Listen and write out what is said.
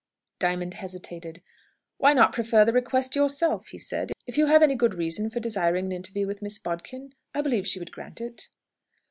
Diamond hesitated. "Why not prefer the request yourself?" he said. "If you have any good reason for desiring an interview with Miss Bodkin, I believe she would grant it."